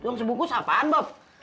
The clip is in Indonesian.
tuh sebuah kue apaan bob